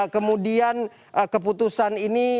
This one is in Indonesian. kemudian keputusan ini